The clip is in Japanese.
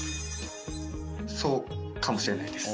そうかもしれないです。